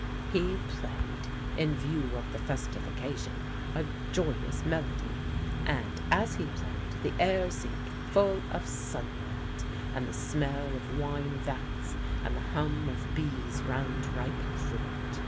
"He played in view of the festive occasion a joyous melody. And, as he played, the air seemed full of sunlight, and the smell of wine vats and the hum of bees round ripe fruit.